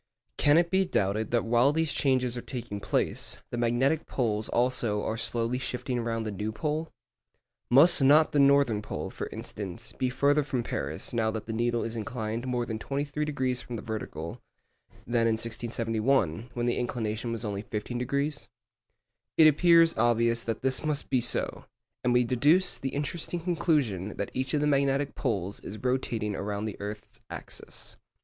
Can it be doubted that while these changes are taking place, the magnetic poles also are slowly shifting round the true pole? Must not the northern pole, for instance, be further from Paris now that the needle is inclined more than 23° from the vertical, than in 1671, when the inclination was only 15°? It appears obvious that this must be so, and we deduce the interesting conclusion that each of the magnetic poles is rotating around the earth's axis.